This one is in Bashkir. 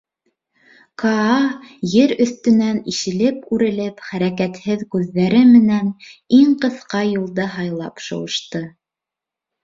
— Каа, ер өҫтөнән ишелеп-үрелеп, хәрәкәтһеҙ күҙҙәре менән иң ҡыҫҡа юлды һайлап шыуышты.